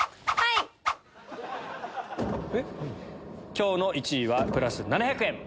今日の１位はプラス７００円。